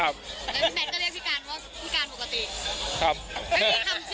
แล้วพี่แมทก็เรียกพี่การว่าพี่การปกติ